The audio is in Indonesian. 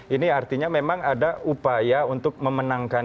ini artinya memang ada upaya untuk memenangkan